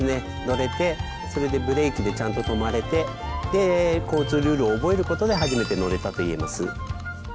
乗れてそれでブレーキでちゃんと止まれてで交通ルールを覚えることで初めて乗れたと言えます。